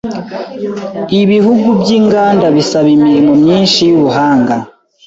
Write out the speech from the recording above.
Ibihugu byinganda bisaba imirimo myinshi yubuhanga.